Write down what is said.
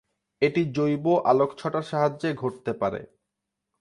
এটি জৈব-আলোকছটার সাহায্যে ঘটতে পারে।